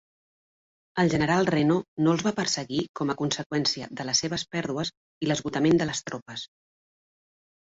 El general Reno no els va perseguir com a conseqüència de les seves pèrdues i l'esgotament de les tropes.